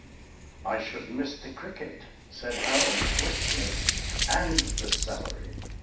"I should miss the cricket," said Harold wistfully, "and the salary.